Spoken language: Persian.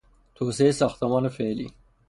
توسعهی ساختمان فعلی